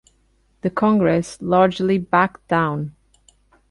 The Congress largely backed down.